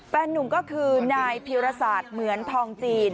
แฟนนุ่มก็คือนายพิรศาสตร์เหมือนทองจีน